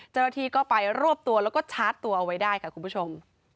เจ้าหน้าที่ก็ไปรวบตัวแล้วก็ชาร์จตัวเอาไว้ได้ค่ะคุณผู้ชม